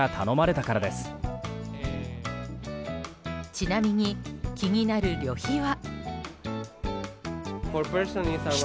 ちなみに、気になる旅費は。